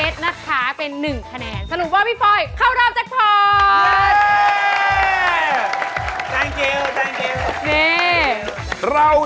สวัสดีครับ